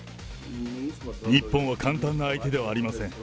日本は簡単な相手ではありません。